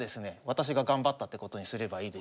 私が頑張ったってことにすればいいですし。